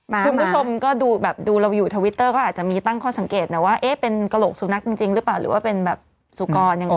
คุณผู้ชมก็ดูแบบดูเราอยู่ทวิตเตอร์ก็อาจจะมีตั้งข้อสังเกตนะว่าเอ๊ะเป็นกระโหลกสุนัขจริงหรือเปล่าหรือว่าเป็นแบบสุกรยังไง